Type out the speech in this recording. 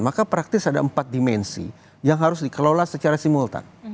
maka praktis ada empat dimensi yang harus dikelola secara simultan